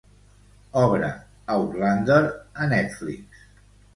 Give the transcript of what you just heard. Obre "Outlander" a Netflix.